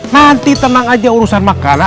nanti tenang aja urusan makanan